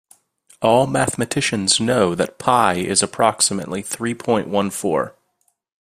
All mathematicians know that Pi is approximately three point one four